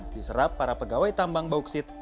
diserap para pegawai tambang bauksit